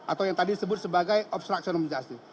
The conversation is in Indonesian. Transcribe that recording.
atau yang tadi disebut sebagai obstruction of justice